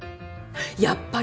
やっぱり！